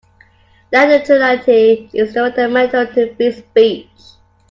Net neutrality is fundamental to free speech.